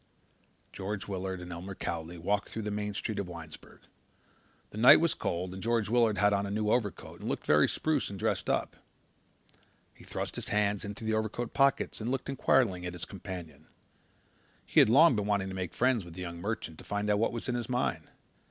George Willard and Elmer Cowley walked through the main street of Winesburg. The night was cold and George Willard had on a new overcoat and looked very spruce and dressed up. He thrust his hands into the overcoat pockets and looked inquiringly at his companion. He had long been wanting to make friends with the young merchant and find out what was in his mind.